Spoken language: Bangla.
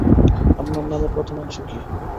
আপনার নামের প্রথমাংশ কি?